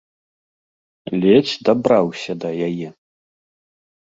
Ледзь дабраўся да яе.